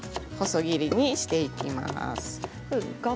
細切りにしていきます。